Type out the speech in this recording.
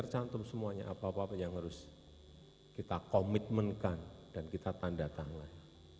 tercantum semuanya apa apa yang harus kita komitmenkan dan kita tanda tangan